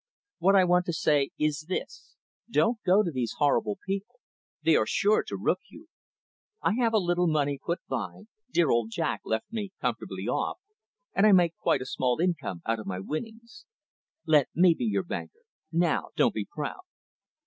What I want to say is this, don't go to these horrible people. They are sure to rook you. I have a little money put by dear old Jack left me comfortably off and I make quite a small income out of my winnings. Let me be your banker. Now, don't be proud."